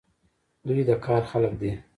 دوی د کار خلک دي.